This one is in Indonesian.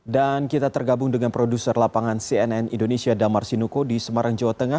dan kita tergabung dengan produser lapangan cnn indonesia damar sinuko di semarang jawa tengah